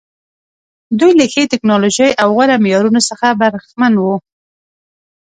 دوی له ښې ټکنالوژۍ او غوره معیارونو څخه برخمن وو.